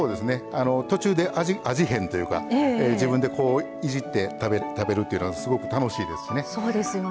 途中で味変というか自分でいじって食べるというのはすごく楽しいですしね。